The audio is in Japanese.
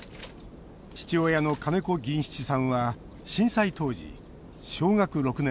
父親の金子銀七さんは震災当時、小学６年生。